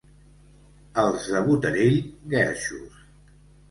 Els de Botarell, guerxos.